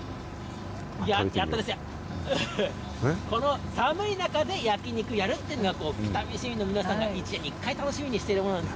この寒い中で焼き肉やるっていうのが、北見市民の皆さんが１年に１回楽しみにしているものなんです。